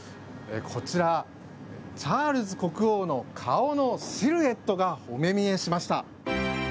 こちら、チャールズ国王の顔のシルエットがお目見えしました。